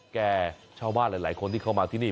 แก่ชาวบ้านหลายคนที่เข้ามาที่นี่